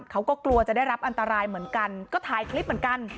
เขาก็กลัวจะได้รับอันตรายเหมือนกันก็ถ่ายคลิปเหมือนกัน